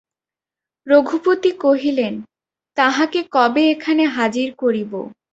রঘুপতি কহিলেন, তাঁহাকে কবে এখানে হাজির করিব?